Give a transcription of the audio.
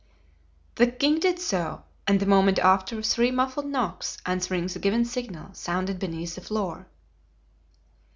The king did so, and the moment after, three muffled knocks, answering the given signal, sounded beneath the floor.